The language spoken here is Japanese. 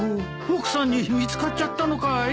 奥さんに見つかっちゃったのかい？